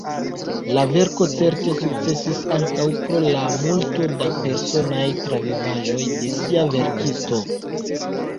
La verko certe sukcesis ankaŭ pro la multo da personaj travivaĵoj de sia verkisto.